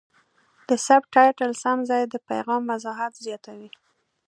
د سبټایټل سم ځای د پیغام وضاحت زیاتوي.